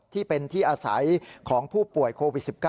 ที่เป็นที่อาศัยของผู้ป่วยโควิด๑๙